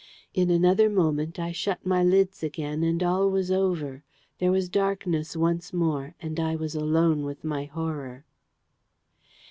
In another moment, I shut my lids again, and all was over. There was darkness once more, and I was alone with my Horror.